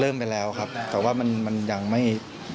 เริ่มไปแล้วครับแต่ว่ามันยังไม่